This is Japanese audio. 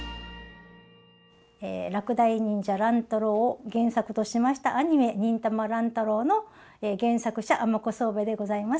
「落第忍者乱太郎」を原作としましたアニメ「忍たま乱太郎」の原作者尼子騒兵衛でございます。